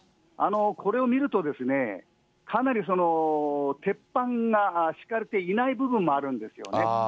これを見ると、かなり鉄板が敷かれていない部分もあるんですよね。